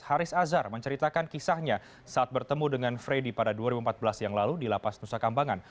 haris azhar menceritakan kisahnya saat bertemu dengan freddy pada dua ribu empat belas yang lalu di lapas nusa kambangan